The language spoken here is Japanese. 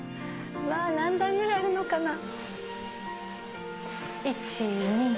うわ何段ぐらいあるのかな。